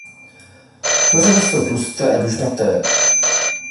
Kořeny jsou tlusté a dužnaté.